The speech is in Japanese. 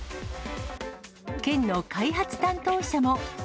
県の開発担当者も。